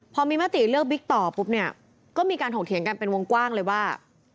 พอมีมติเลือกบิ๊กต่อปุ๊บเนี่ยก็มีการถกเถียงกันเป็นวงกว้างเลยว่า